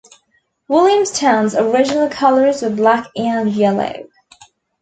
Williamstown's original colours were black and yellow.